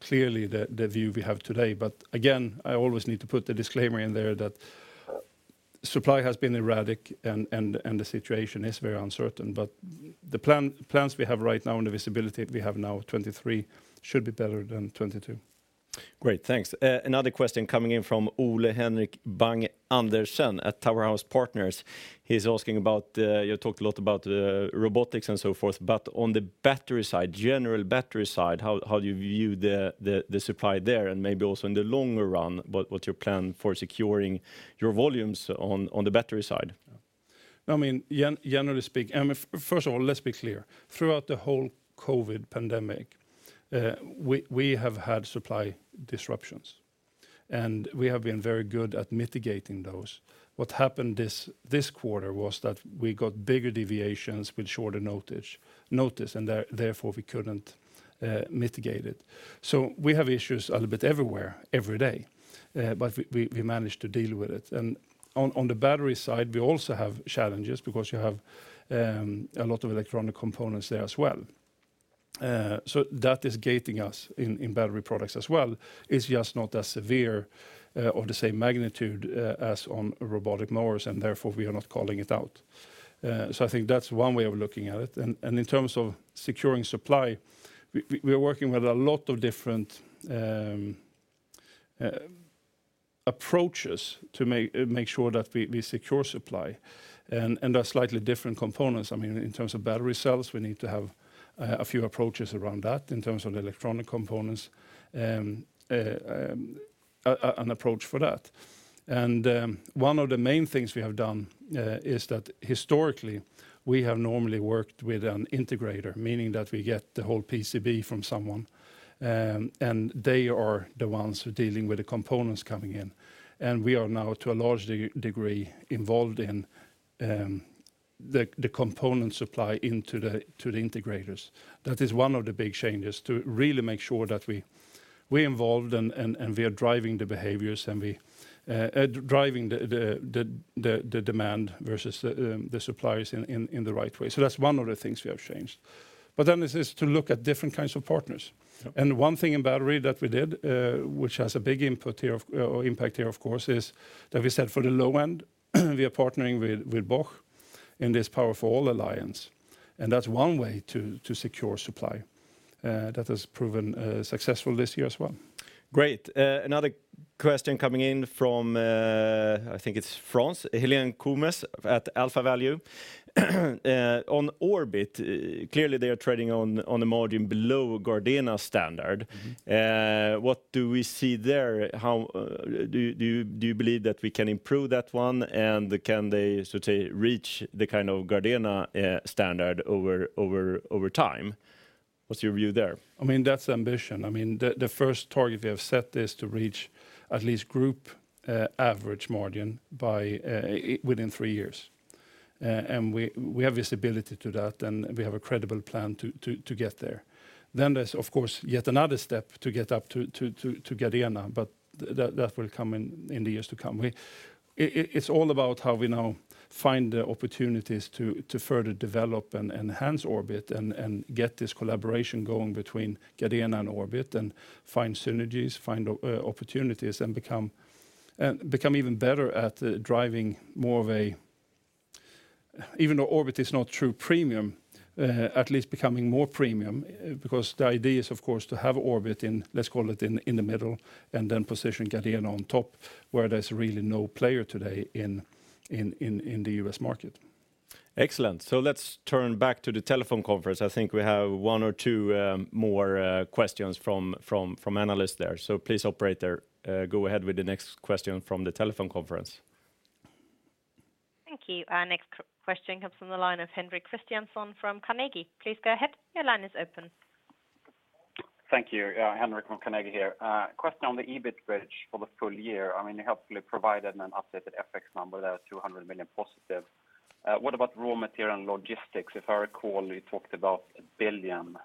clearly the view we have today. Again, I always need to put the disclaimer in there that supply has been erratic and the situation is very uncertain. The plans we have right now and the visibility we have now, 2023 should be better than 2022. Great. Thanks. Another question coming in from Ole Henrik Bang-Andreasen at Tower House Partners. He's asking about, you talked a lot about robotics and so forth, but on the battery side, general battery side, how do you view the supply there? And maybe also in the longer run, what's your plan for securing your volumes on the battery side? I mean, generally speaking, first of all, let's be clear. Throughout the whole COVID pandemic, we have had supply disruptions, and we have been very good at mitigating those. What happened this quarter was that we got bigger deviations with shorter notice, and therefore we couldn't mitigate it. We have issues a little bit everywhere, every day, but we manage to deal with it. On the battery side, we also have challenges because you have a lot of electronic components there as well. That is gating us in battery products as well. It's just not as severe or the same magnitude as on robotic mowers, and therefore we are not calling it out. I think that's one way of looking at it. In terms of securing supply, we're working with a lot of different approaches to make sure that we secure supply and are slightly different components. I mean, in terms of battery cells, we need to have a few approaches around that. In terms of electronic components, an approach for that. One of the main things we have done is that historically we have normally worked with an integrator, meaning that we get the whole PCB from someone, and they are the ones dealing with the components coming in. We are now to a large degree involved in the component supply to the integrators. That is one of the big changes to really make sure that we're involved and we are driving the behaviors and we are driving the demand versus the suppliers in the right way. That's one of the things we have changed. This is to look at different kinds of partners. Yeah. One thing in battery that we did, which has a big impact here of course, is that we said for the low end, we are partnering with Bosch in this Power for All alliance, and that's one way to secure supply, that has proven successful this year as well. Great. Another question coming in from, I think it's France. Hélène Coumes at AlphaValue. On Orbit, clearly they are trading on a margin below Gardena standard. Mm-hmm. What do we see there? How do you believe that we can improve that one? Can they, so to say, reach the kind of Gardena standard over time? What's your view there? I mean, that's the ambition. I mean, the first target we have set is to reach at least group average margin by within three years. We have visibility to that and we have a credible plan to get there. There's of course yet another step to get up to Gardena, but that will come in the years to come. It's all about how we now find the opportunities to further develop and enhance Orbit and get this collaboration going between Gardena and Orbit and find synergies, find opportunities and become even better at driving more of a... Even though Orbit is not true premium, at least becoming more premium, because the idea is of course to have Orbit in, let's call it, the middle, and then position Gardena on top where there's really no player today in the U.S. market. Excellent. Let's turn back to the telephone conference. I think we have one or two more questions from analysts there. Please operator, go ahead with the next question from the telephone conference. Thank you. Our next question comes from the line of Henrik Christiansson from Carnegie. Please go ahead, your line is open. Thank you. Henrik from Carnegie here. Question on the EBIT bridge for the full year. I mean, you helpfully provided an updated FX number there, 200 million positive. What about raw material and logistics? If I recall, you talked about 1 billion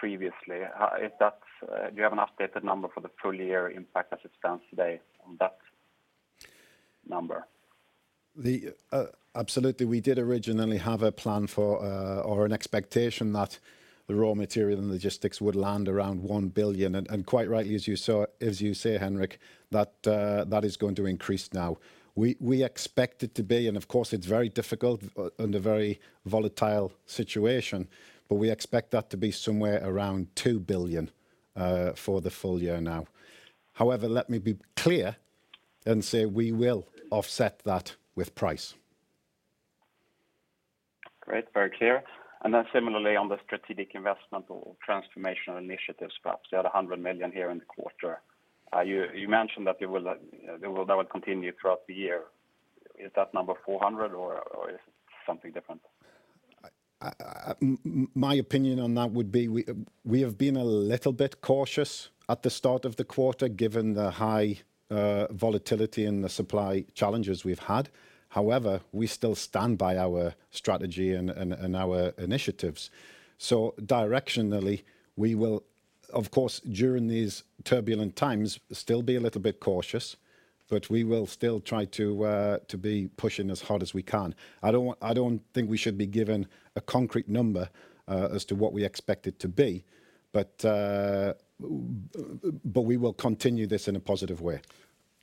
previously. If that's, do you have an updated number for the full year impact as it stands today on that number? Absolutely. We did originally have a plan for or an expectation that the raw material and logistics would land around 1 billion. Quite rightly, as you say, Henrik, that is going to increase now. We expect it to be, and of course it's very difficult and a very volatile situation, but we expect that to be somewhere around 2 billion for the full year now. However, let me be clear and say we will offset that with price. Great, very clear. Similarly on the strategic investment or transformational initiatives, perhaps you had 100 million here in the quarter. You mentioned that that will continue throughout the year. Is that number 400 million or is it something different? My opinion on that would be we have been a little bit cautious at the start of the quarter, given the high volatility and the supply challenges we've had. However, we still stand by our strategy and our initiatives. Directionally, we will of course, during these turbulent times, still be a little bit cautious, but we will still try to be pushing as hard as we can. I don't think we should be given a concrete number as to what we expect it to be, but we will continue this in a positive way. I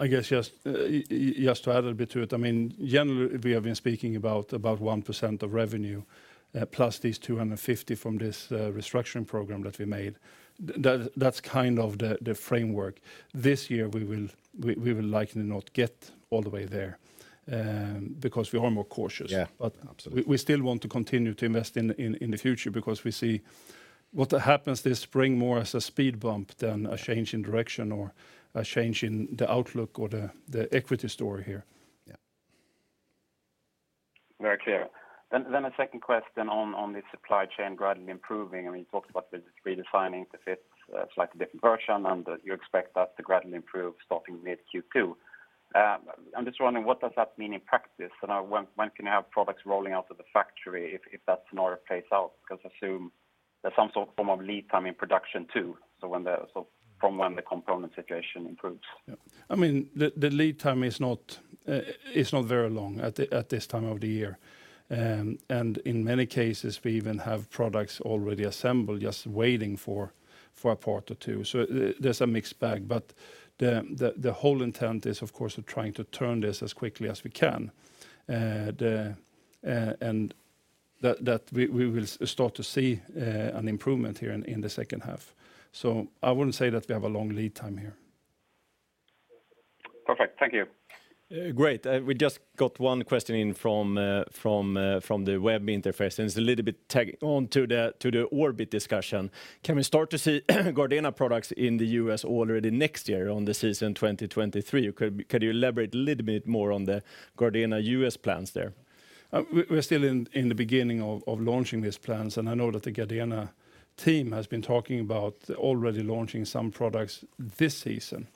guess just yes, to add a bit to it, I mean, generally we have been speaking about 1% of revenue plus these 250 from this restructuring program that we made. That's kind of the framework. This year we will likely not get all the way there because we are more cautious. Yeah. Absolutely. We still want to continue to invest in the future because we see what happens this spring more as a speed bump than a change in direction or a change in the outlook or the equity story here. Yeah. Very clear. A second question on the supply chain gradually improving. I mean, you talked about redesigning the fit, slightly different version, and you expect that to gradually improve starting mid Q2. I'm just wondering what does that mean in practice? When can you have products rolling out of the factory if that scenario plays out? 'Cause I assume there's some sort of lead time in production too, from when the component situation improves. Yeah. I mean, the lead time is not very long at this time of the year. In many cases, we even have products already assembled just waiting for a part or two. There's a mixed bag, but the whole intent is of course we're trying to turn this as quickly as we can. We will start to see an improvement here in the second half. I wouldn't say that we have a long lead time here. Perfect. Thank you. Great. We just got one question in from the web interface, and it's a little bit tagging on to the Orbit discussion. Can we start to see Gardena products in the U.S. already next year on the season 2023? Could you elaborate a little bit more on the Gardena U.S. plans there? We're still in the beginning of launching these plans, and I know that the Gardena team has been talking about already launching some products this season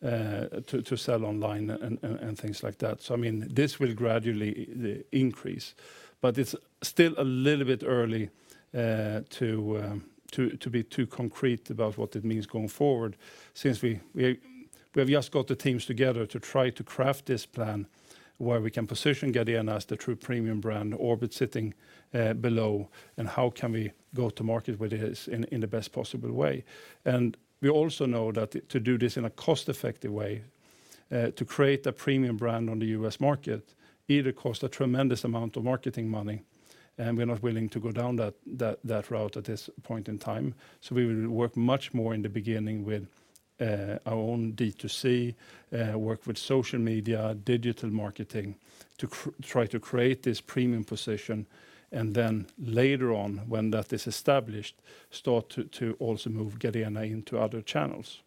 to sell online and things like that. I mean, this will gradually increase, but it's still a little bit early to be too concrete about what it means going forward since we have just got the teams together to try to craft this plan where we can position Gardena as the true premium brand, Orbit sitting below, and how can we go to market with this in the best possible way. We also know that to do this in a cost-effective way, to create a premium brand on the U.S. market either costs a tremendous amount of marketing money, and we're not willing to go down that route at this point in time. We will work much more in the beginning with our own D2C, work with social media, digital marketing to try to create this premium position, and then later on when that is established, start to also move Gardena into other channels.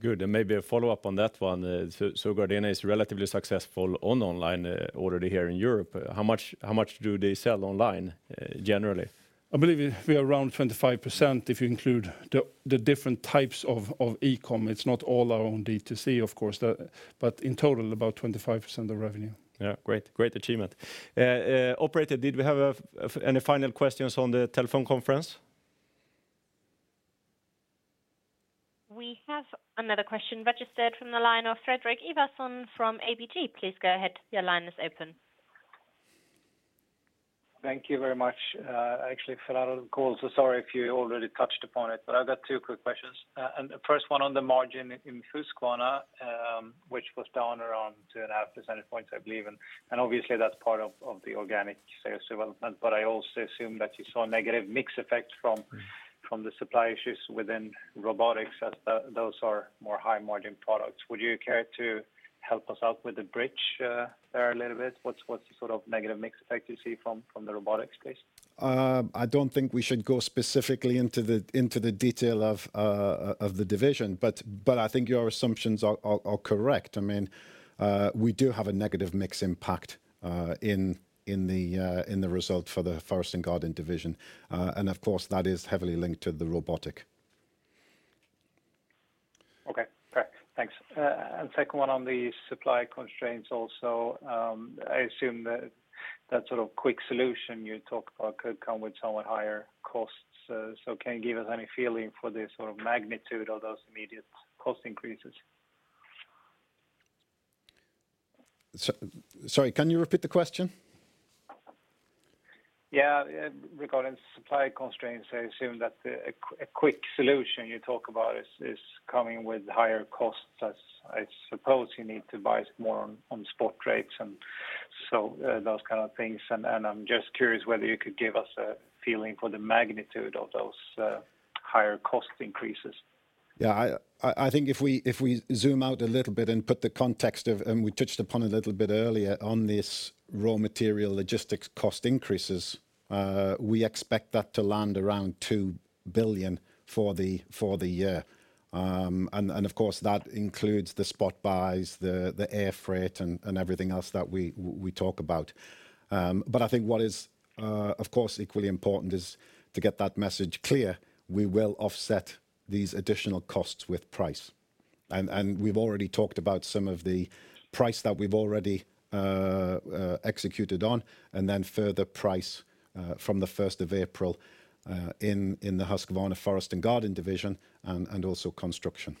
Good. Maybe a follow-up on that one. So Gardena is relatively successful on online already here in Europe. How much do they sell online generally? I believe it'd be around 25% if you include the different types of e-commerce. It's not all our own D2C, of course. In total, about 25% of revenue. Yeah, great. Great achievement. Operator, did we have any final questions on the telephone conference? We have another question registered from the line of Fredrik Ivarsson from ABG. Please go ahead. Your line is open. Thank you very much. Actually fell out of the call, so sorry if you already touched upon it, but I've got two quick questions. The first one on the margin in Husqvarna, which was down around 2.5 percentage points, I believe. Obviously that's part of the organic sales development. I also assume that you saw negative mix effects from the supply issues within robotics as those are more high margin products. Would you care to help us out with the bridge there a little bit? What's the sort of negative mix effect you see from the robotics, please? I don't think we should go specifically into the detail of the division, but I think your assumptions are correct. I mean, we do have a negative mix impact in the result for the Forest & Garden division. Of course, that is heavily linked to the robotic. Okay. Perfect. Thanks. Second one on the supply constraints also. I assume that sort of quick solution you talk about could come with somewhat higher costs. Can you give us any feeling for the sort of magnitude of those immediate cost increases? Sorry, can you repeat the question? Yeah, regarding supply constraints, I assume that a quick solution you talk about is coming with higher costs, as I suppose you need to buy more on spot rates and so, those kind of things. I'm just curious whether you could give us a feeling for the magnitude of those higher cost increases. Yeah. I think if we zoom out a little bit and put the context of and we touched upon a little bit earlier on this raw material logistics cost increases, we expect that to land around 2 billion for the year. Of course that includes the spot buys, the air freight, and everything else that we talk about. I think what is of course equally important is to get that message clear, we will offset these additional costs with price. We've already talked about some of the price that we've already executed on, and then further price from the first of April in the Husqvarna Forest & Garden division and also Husqvarna Construction.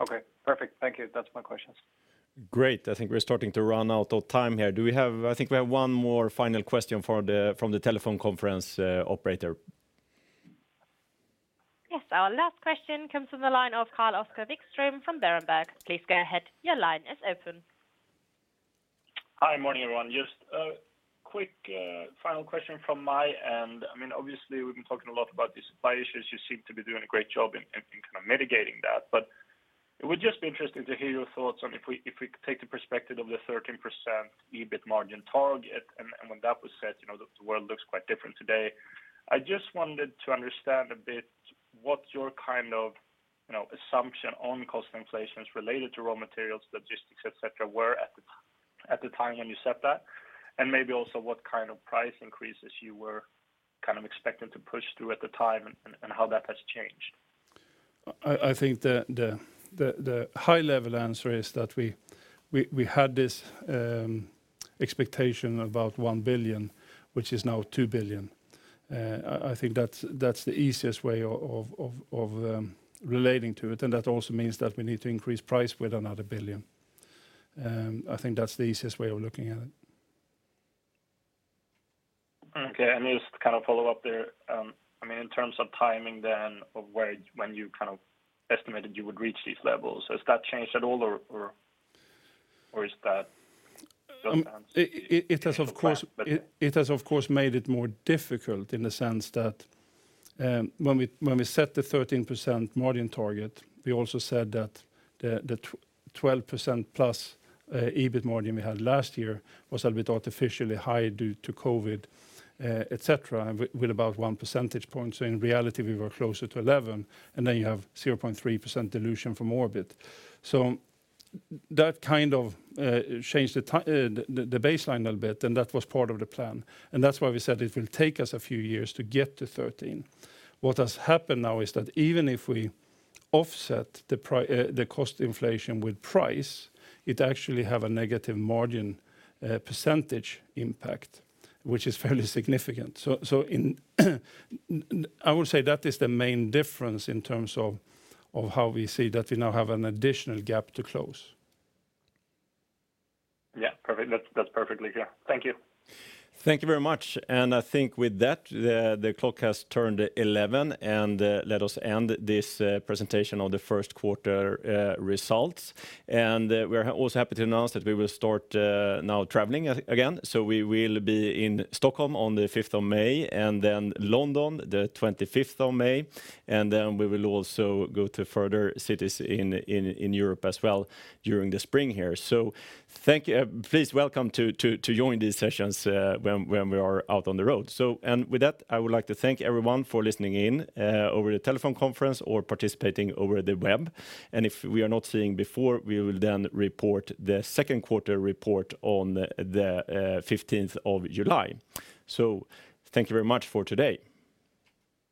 Okay. Perfect. Thank you. That's my questions. Great. I think we're starting to run out of time here. I think we have one more final question from the telephone conference operator. Yes. Our last question comes from the line of Carl-Oskar Vikström from Berenberg. Please go ahead. Your line is open. Hi. Morning, everyone. Just a quick final question from my end. I mean, obviously we've been talking a lot about the supply issues. You seem to be doing a great job in kind of mitigating that. It would just be interesting to hear your thoughts on if we could take the perspective of the 13% EBIT margin target and when that was set, you know, the world looks quite different today. I just wanted to understand a bit what your kind of, you know, assumption on cost inflations related to raw materials, logistics, et cetera, were at the time when you set that, and maybe also what kind of price increases you were kind of expecting to push through at the time and how that has changed. I think the high level answer is that we had this expectation about 1 billion, which is now 2 billion. I think that's the easiest way of relating to it. That also means that we need to increase price with another 1 billion. I think that's the easiest way of looking at it. Okay. Just to kind of follow up there, I mean, in terms of timing then of when you kind of estimated you would reach these levels, has that changed at all or is that still stands? It has of course. ...but- It has of course made it more difficult in the sense that, when we set the 13% margin target, we also said that the 12%+ EBIT margin we had last year was a bit artificially high due to COVID, et cetera, with about one percentage point. In reality, we were closer to 11, and then you have 0.3% dilution from Orbit. That kind of changed the baseline a little bit, and that was part of the plan. That's why we said it will take us a few years to get to 13%. What has happened now is that even if we offset the cost inflation with price, it actually have a negative margin percentage impact, which is fairly significant. I would say that is the main difference in terms of how we see that we now have an additional gap to close. Yeah. Perfect. That's perfectly clear. Thank you. Thank you very much. I think with that, the clock has turned eleven, and let us end this presentation on the first quarter results. We're also happy to announce that we will start now traveling again. We will be in Stockholm on the 5th of May, and then London the 25th of May. We will also go to further cities in Europe as well during the spring here. Thank you. Please welcome to join these sessions when we are out on the road. With that, I would like to thank everyone for listening in over the telephone conference or participating over the web. If we are not seeing you before, we will then report the second quarter report on the 15th of July. Thank you very much for today.